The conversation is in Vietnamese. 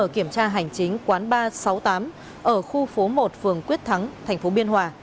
kiểm tra hành chính quán ba trăm sáu mươi tám ở khu phố một phường quyết thắng tp biên hòa